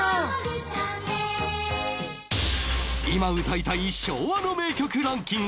今歌いたい！昭和の名曲ランキング